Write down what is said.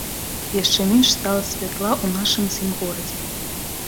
Яшчэ менш стала святла ў нашым з ім горадзе.